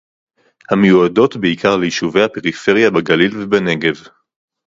המיועדות בעיקר ליישובי הפריפריה בגליל ובנגב